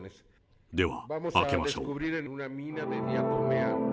では開けましょう。